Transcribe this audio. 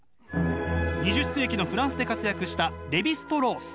２０世紀のフランスで活躍したレヴィ＝ストロース。